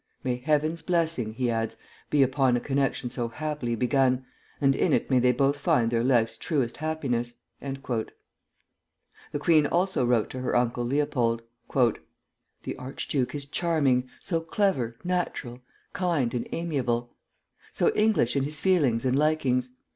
May Heaven's blessing," he adds, "be upon a connection so happily begun, and in it may they both find their life's truest happiness!" The queen also wrote to her uncle Leopold, "The archduke is charming, so clever, natural, kind, and amiable; so English in his feelings and likings.